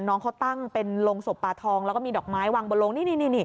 น้องเขาตั้งเป็นโรงศพปลาทองแล้วก็มีดอกไม้วางบนโลงนี่